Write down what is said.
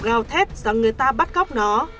gào thét rằng người ta bắt góc nó